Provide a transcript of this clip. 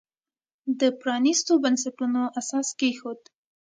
د پرانیستو بنسټونو اساس کېښود.